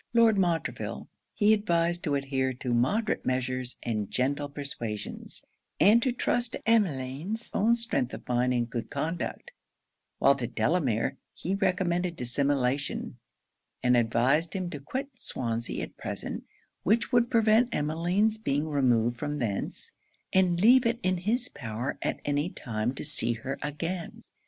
Lord Montreville, he advised to adhere to moderate measures and gentle persuasions, and to trust to Emmeline's own strength of mind and good conduct; while to Delamere he recommended dissimulation; and advised him to quit Swansea at present, which would prevent Emmeline's being removed from thence, and leave it in his power at any time to see her again.